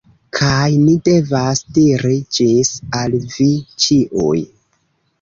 Kaj ni devas diri "Ĝis" al vi ĉiuj.